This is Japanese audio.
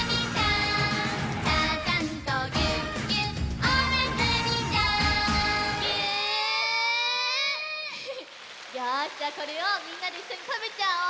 よしじゃあこれをみんなでいっしょにたべちゃおう！